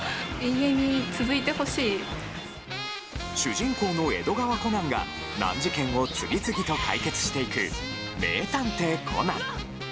主人公の江戸川コナンが難事件を次々と解決していく「名探偵コナン」。